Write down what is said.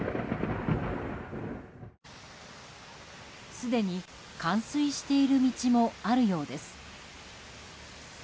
すでに、冠水している道もあるようです。